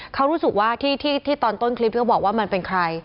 เขารู้สึกว่าที่ตอนต้นคลิปเขาบอกว่ามันเป็นใคร